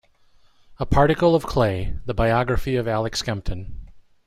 "A Particle of Clay: the Biography of Alec Skempton".